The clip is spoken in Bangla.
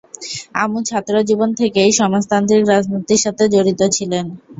আমু ছাত্রজীবন থেকেই সমাজতান্ত্রিক রাজনীতির সাথে জড়িত ছিলেন।